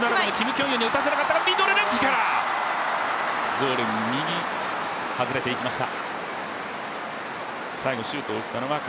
ゴール右、外れていきました